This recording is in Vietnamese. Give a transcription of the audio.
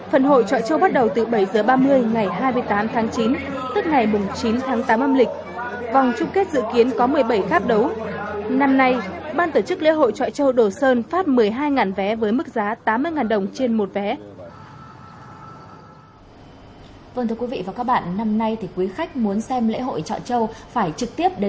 phần hội trọ châu bắt đầu từ bảy h ba mươi ngày hai mươi tám tháng chín tức ngày chín tháng tám âm lịch